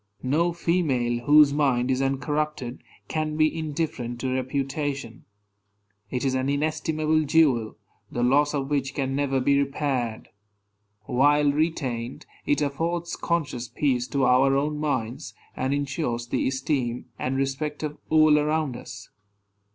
No female, whose mind is uncorrupted, can be indifferent to reputation. It is an inestimable jewel, the loss of which can never be repaired. While retained, it affords conscious peace to our own minds, and insures the esteem and respect of all around us.